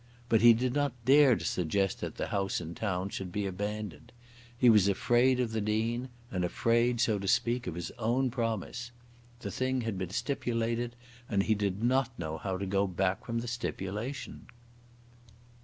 But he did not dare to suggest that the house in town should be abandoned. He was afraid of the Dean, and afraid, so to say, of his own promise. The thing had been stipulated, and he did not know how to go back from the stipulation.